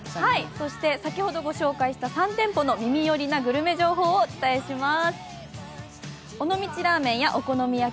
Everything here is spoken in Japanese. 先ほどご紹介した３店舗の耳寄りなグルメ情報をお伝えします。